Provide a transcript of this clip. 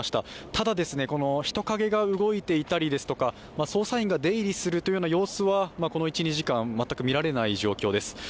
ただ、人影が動いていたりですとか、捜査員が出入りする様子はこの１２時間、全く見られない状況です。